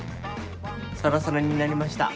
サラサラになりました。